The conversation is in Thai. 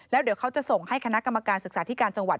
แล้วเดี๋ยวเขาจะส่งให้คณะกรรมการศึกษาธิการจังหวัด